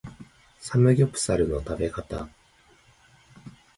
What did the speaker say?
サムギョプサルの食べ方